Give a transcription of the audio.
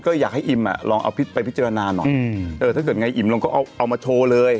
ก็อยากให้อิ่มอ่ะลองเอาพิษไปพิจารณาหน่อยถ้าเกิดไงอิ่มลองก็เอามาโชว์เลย